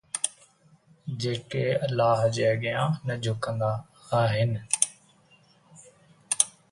جيڪي الله جي اڳيان نه جهڪندا آهن